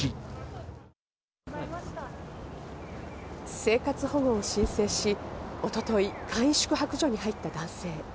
生活保護を申請し、一昨日、簡易宿泊所に入った男性。